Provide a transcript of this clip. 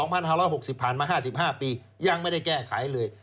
ผ่านมา๕๕ปียังไม่ได้แก้ไขเลย